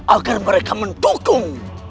agar mereka mendukung